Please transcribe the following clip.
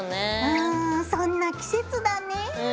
うんそんな季節だねぇ。